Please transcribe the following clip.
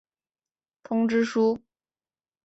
通知书。